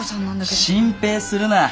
心配するな！